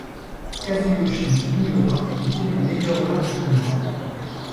Kazuyoshi Miura est élu meilleur joueur du tournoi.